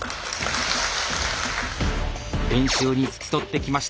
練習に付き添ってきました